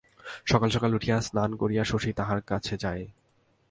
সকাল সকাল উঠিয়া স্নান করিয়া শশী তাহার কাছে যায়।